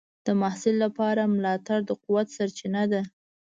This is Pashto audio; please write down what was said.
د محصل لپاره ملاتړ د قوت سرچینه ده.